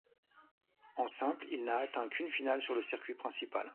En simple, il n'a atteint qu'une finale sur le circuit principal.